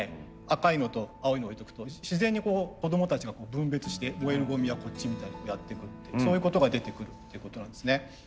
赤いのと青いの置いとくと自然に子供たちが分別して燃えるゴミはこっちみたいにやってくってそういうことが出てくるっていうことなんですね。